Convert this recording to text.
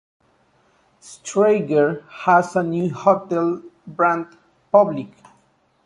Schrager has a new hotel brand, Public.